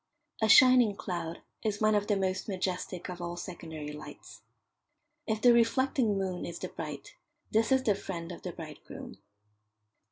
A shining cloud is one of the most majestic of all secondary lights. If the reflecting moon is the bride, this is the friend of the bridegroom.